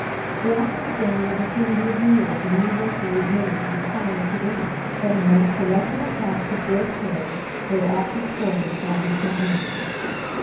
The apples grown in the vicinity of New York are universally admitted to be the finest of any; but unless selected and packed with great care, they are apt to spoil before reaching England.